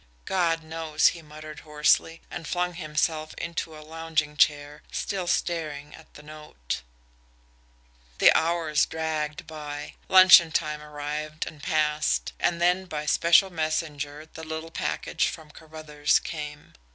"God knows!" he muttered hoarsely, and flung himself into a lounging chair, still staring at the note. The hours dragged by. Luncheon time arrived and passed and then by special messenger the little package from Carruthers came.